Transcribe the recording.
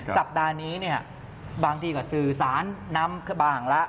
สัปดาห์นี้บางทีก็สื่อสารนำบางละ